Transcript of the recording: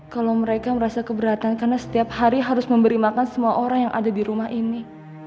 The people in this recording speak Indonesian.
kalau mereka merasa keberatan karena setiap hari harus memberi makan semua orang yang ada di rumah ini